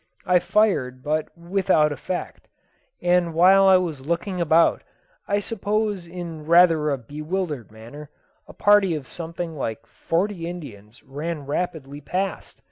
I fired, but without effect; and while I was looking about, I suppose in rather a bewildered manner, a party of something like forty Indians ran rapidly past.